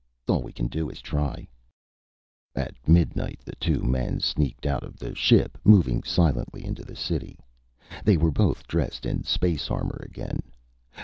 All we can do is try." At midnight, the two men sneaked out of the ship, moving silently into the city. They were both dressed in space armor again.